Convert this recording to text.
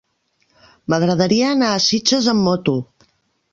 M'agradaria anar a Sitges amb moto.